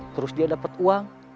terus dia dapet uang